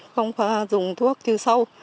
không dùng thuốc chứa sâu